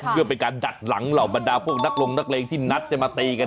เพื่อเป็นการดัดหลังเหล่าบรรดาพวกนักลงนักเลงที่นัดจะมาตีกัน